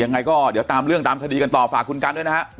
ยังไงก็เดี๋ยวตามเรื่องตามคดีกันต่อฝากคุณกันด้วยนะฮะ